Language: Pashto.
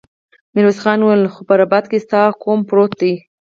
ميرويس خان وويل: خو په رباط کې ستا قوم پروت دی.